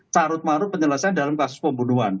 carut marut penyelesaian dalam kasus pembunuhan